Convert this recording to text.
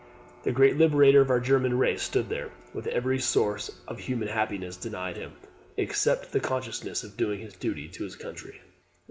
The great liberator of our German race stood there, with every source of human happiness denied him, except the consciousness of doing his duty to his country.